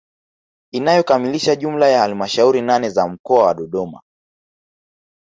Inayokamilisha jumla ya halamashauri nane za mkoa wa Dodoma